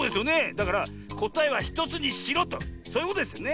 だからこたえは１つにしろとそういうことですよね？